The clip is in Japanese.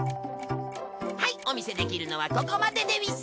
はいお見せできるのはここまででうぃす！